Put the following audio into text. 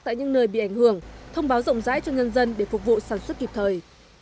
tại những nơi bị ảnh hưởng thông báo rộng rãi cho nhân dân để phục vụ sản xuất kịp thời